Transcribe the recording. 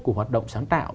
của hoạt động sáng tạo